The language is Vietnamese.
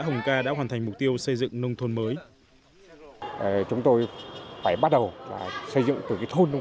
hồng ca đã hoàn thành mục tiêu xây dựng nông thôn mới chúng tôi phải bắt đầu xây dựng từ thôn nông